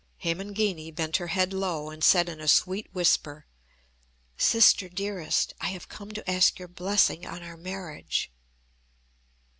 Hemangini bent her head low, and said in a sweet whisper: "Sister, dearest, I have come to ask your blessing on our marriage."